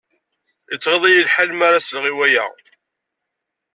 Yettɣiḍ-iyi lḥal mi ara sleɣ i waya.